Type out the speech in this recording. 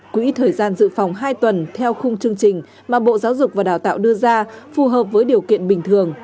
quỹ thời gian dự phòng hai tuần theo khung chương trình mà bộ giáo dục và đào tạo đưa ra phù hợp với điều kiện bình thường